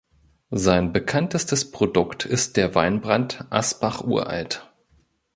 Sein bekanntestes Produkt ist der Weinbrand "Asbach Uralt".